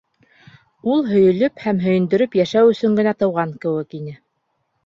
Ул һөйөлөп һәм һөйөндөрөп йәшәү өсөн генә тыуған кеүек ине.